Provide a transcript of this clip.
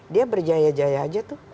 dia berjaya jaya saja